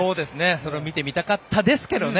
それを見てみたかったですけどね。